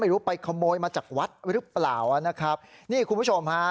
รู้ไปขโมยมาจากวัดหรือเปล่านะครับนี่คุณผู้ชมฮะ